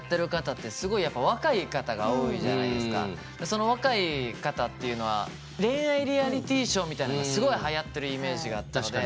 その若い方っていうのは恋愛リアリティショーみたいなのがすごいはやってるイメージがあったので。